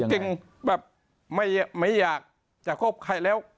จริงแบบไม่อยากจะคบใครแล้ว